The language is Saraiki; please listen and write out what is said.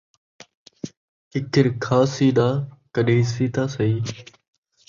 ککِڑ کھاسی ناں ، کھن٘ڈیسی تاں سہی